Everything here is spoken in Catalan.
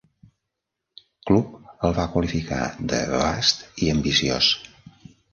Club" el va qualificar de "vast i ambiciós".